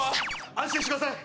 安心してください